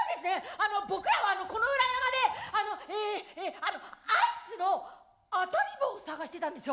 あの僕らはこの裏山であのええあのアイスの当たり棒を探してたんですよ。